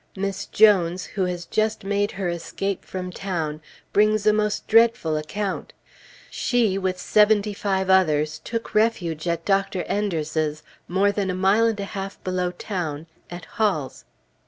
Miss Jones, who has just made her escape from town, brings a most dreadful account. She, with seventy five others, took refuge at Dr. Enders's, more than a mile and a half below town, at Hall's.